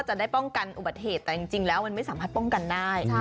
จริงแล้วมันไม่สามารถป้องกันได้